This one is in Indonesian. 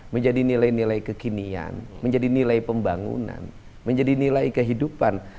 menjadi nilai nilai kekinian menjadi nilai pembangunan menjadi nilai kehidupan